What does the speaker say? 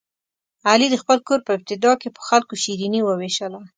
علي د خپل کور په ابتدا کې په خلکو شیریني ووېشله.